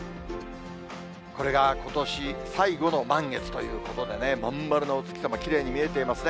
これがことし最後の満月ということでね、真ん丸なお月様、きれいに見えていますね。